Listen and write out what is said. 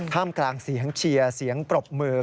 มกลางเสียงเชียร์เสียงปรบมือ